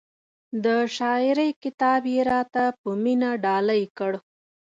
د شاعرۍ کتاب یې را ته په مینه ډالۍ کړ.